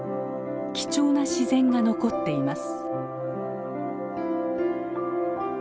貴重な自然が残っています。